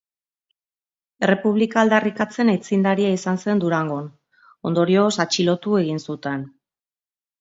Errepublika aldarrikatzen aitzindaria izan zen Durangon; ondorioz, atxilotu egin zuten.